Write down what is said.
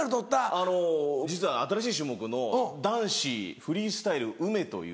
あの実は新しい種目の男子フリースタイルウメという。